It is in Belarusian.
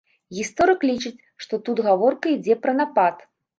Гісторык лічыць, што тут гаворка ідзе пра напад.